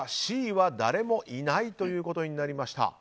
Ｃは誰もいないということになりました。